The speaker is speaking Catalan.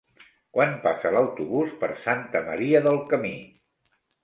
Quan passa l'autobús per Santa Maria del Camí?